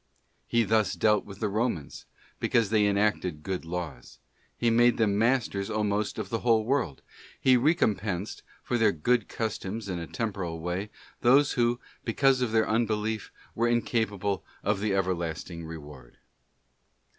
He thus dealt with the Romans: because they enacted good laws, He made them masters almost of the whole world; He recompensed, for their good customs ina temporal way, those who, because of their unbelief, were incapable of the everlasting reward.